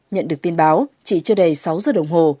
nhận được tin báo chỉ chưa đầy sáu giờ đồng hồ